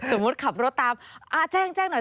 สมมุติขับรถตามแจ้งหน่อย